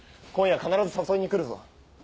今夜必ず誘いに来るぞ。